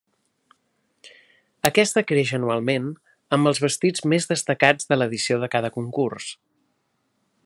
Aquesta creix anualment amb els vestits més destacats de l'edició de cada concurs.